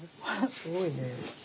すごいね。